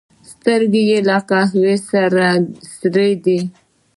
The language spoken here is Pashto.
سترګې یې له قهره سرې دي.